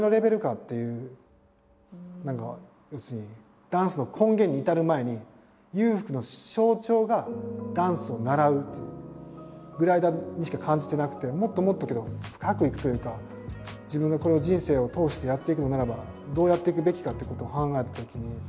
何か要するにダンスの根源に至る前に裕福の象徴が「ダンスを習う」ぐらいにしか感じてなくてもっともっと深くいくというか自分がこれを人生を通してやっていくのならばどうやっていくべきかっていうことを考えたときに。